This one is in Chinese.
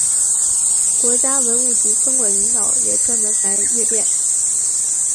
国家文物局分管领导也专门发来唁电。